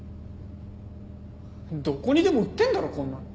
どこにでも売ってんだろこんなの。